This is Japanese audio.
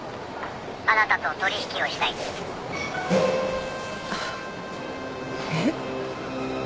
「あなたと取引をしたい」あえっ？